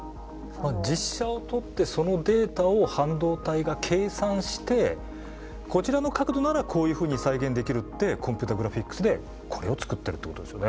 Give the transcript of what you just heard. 実写を撮ってそのデータを半導体が計算してこちらの角度ならこういうふうに再現できるってコンピューターグラフィックスでこれをつくってるってことですよね。